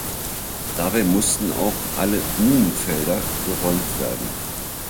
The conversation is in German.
Dabei mussten auch alle Minenfelder geräumt werden.